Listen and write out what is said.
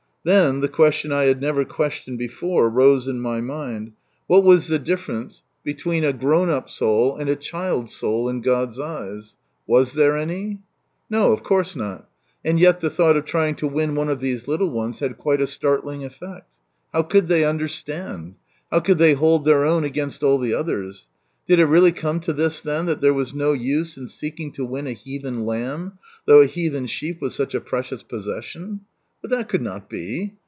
Then the question I had never questioned before, rose in niy mind, " What was the ditferencc between a grown up soul and a cliild's soul in God's eyes — «'<k then any 1 " No ! of course not, and yet the thought of trying to win one of these little ones had quite a startling effect. How could they understand? How could they hold their own against all the others? Did it really come to this, then, that there was no use in seeking to win a heathen lamb, though a heathen sheep was such a precious posses sion ? But that could not be.